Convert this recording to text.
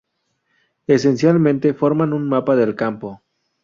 Esencialmente forman un mapa del campo.